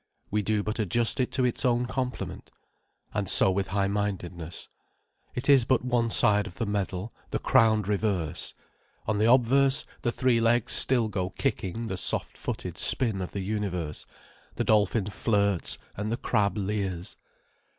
We do but adjust it to its own complement. And so with high mindedness. It is but one side of the medal—the crowned reverse. On the obverse the three legs still go kicking the soft footed spin of the universe, the dolphin flirts and the crab leers.